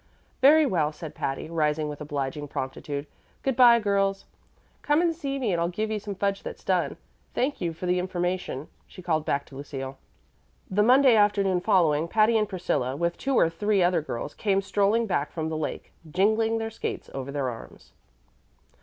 "Very well," said Patty, rising with obliging promptitude. "Good by, girls. Come and see me and I'll give you some fudge that's done. Thank you for the information," she called back to Lucille. THE Monday afternoon following, Patty and Priscilla, with two or three other girls, came strolling back from the lake, jingling their skates over their arms.